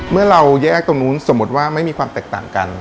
เมื่อเราแยกตรงนู้นสมมุติว่าไม่มีความแตกต่างกัน